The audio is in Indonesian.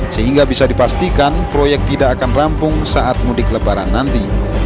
sehingga bisa dipastikan proyek tidak akan rampung saat mudik lebaran nanti